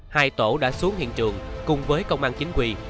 hai tổ đã xuống hiện trường cùng với công an chính quy